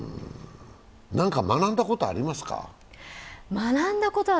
何か学んだことありますか。